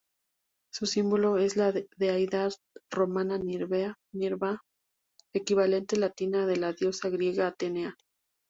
Su símbolo es la deidad romana Minerva, equivalente latina de la diosa griega Atenea.